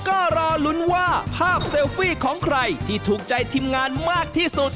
ก็รอลุ้นว่าภาพเซลฟี่ของใครที่ถูกใจทีมงานมากที่สุด